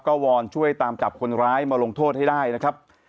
ก็วอนช่วยตามจับคนร้ายมาลงโทษให้ได้นะครับ